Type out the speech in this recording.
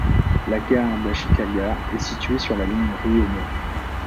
La gare d'Ashikaga est établie sur la ligne Ryōmō.